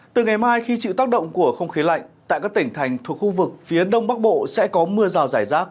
từ ngày mai khi chịu tác động của không khí lạnh tại các tỉnh thành thuộc khu vực phía đông bắc bộ sẽ có mưa rào rải rác